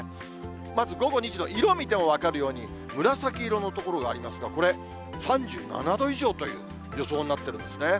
まず午後２時の色見ても分かるように、紫色の所がありますが、これ、３７度以上という予想になってるんですね。